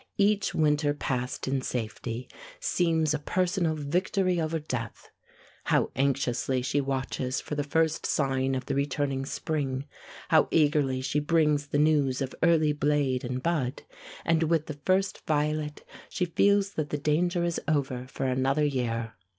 Each winter passed in safety seems a personal victory over death. How anxiously she watches for the first sign of the returning spring, how eagerly she brings the news of early blade and bud, and with the first violet she feels that the danger is over for another year.